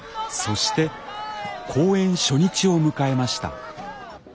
そして公演初日を迎えました。